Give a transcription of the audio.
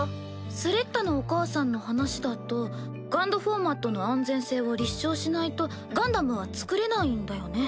スレッタのお母さんの話だとＧＵＮＤフォーマットの安全性を立証しないとガンダムは造れないんだよね？